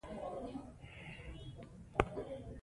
واک باید کنټرول ولري